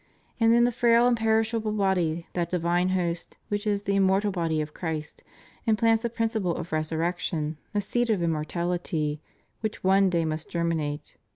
And in the frail and perishable body that divine Host, which is the immortal body of Christ, im plants a principle of resurreciion, a seed of inmiortality, which one day must germinate.